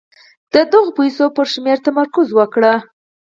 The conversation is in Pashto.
د دغو پيسو پر شمېر تمرکز وکړئ.